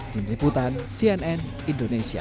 dini putan cnn indonesia